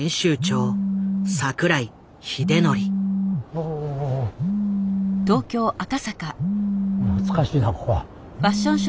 お懐かしいなここは。